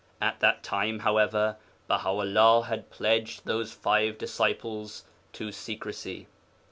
At that time, however, Baha 'ullah had pledged those five disciples to secrecy.